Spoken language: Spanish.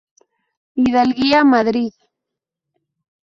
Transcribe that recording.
Hidalguía, Madrid.